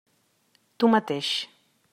Tu mateix.